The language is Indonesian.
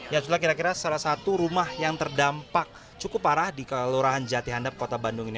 ya sudah kira kira salah satu rumah yang terdampak cukup parah di kelurahan jati handap kota bandung ini